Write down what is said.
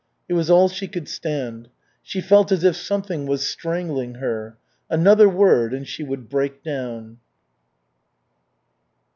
It was all she could stand. She felt as if something was strangling her. Another word and she would break down.